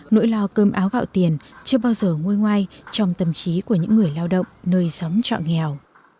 nỗi lo cơm áo gạo tiền chưa bao giờ ngôi ngoai trong tâm trí của những người lao động nơi sống trọn nghèo